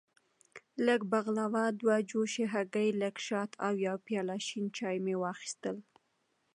لږه بغلاوه، دوه جوشې هګۍ، لږ شات او یو پیاله شین چای مې واخیستل.